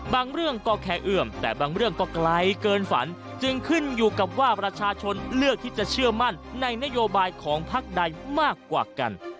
บางเรื่องก็แค่เอื้อมแต่บางเรื่องก็ไกลเกินฝันจึงขึ้นอยู่กับว่าประชาชนเลือกที่จะเชื่อมั่นในนโยบายของพักใดมากกว่ากัน